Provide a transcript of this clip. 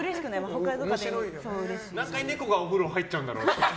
何回、猫がお風呂入っちゃうんだろうって。